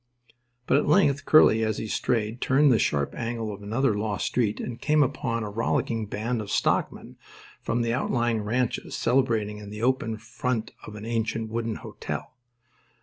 But at length Curly, as he strayed, turned the sharp angle of another lost street and came upon a rollicking band of stockmen from the outlying ranches celebrating in the open in front of an ancient wooden hotel.